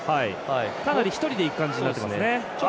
かなり一人でいく感じになっていますね。